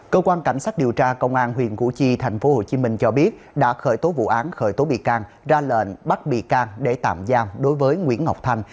cơ quan cảnh sát điều tra công an huyện củ chi thành phố hồ chí minh cho biết đã khởi tố vụ án khởi tố bị can ra lệnh bắt bị can để tạm giam đối với nguyễn ngọc thanh